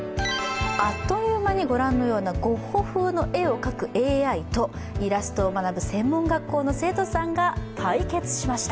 あっという間にご覧のようなゴッホ風の絵を描くＡＩとイラストを学ぶ専門学校の生徒さんが対決しました。